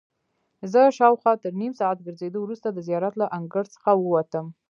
زه شاوخوا تر نیم ساعت ګرځېدو وروسته د زیارت له انګړ څخه ووتم.